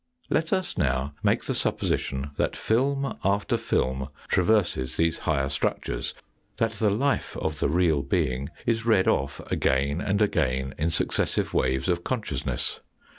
Let us now make the supposition that film after film traverses these higher structures, that the life of the real being is read off again and again in successive waves of consciousness.